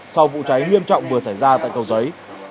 sau vụ cháy nghiêm trọng vừa xảy ra tại cầu giấy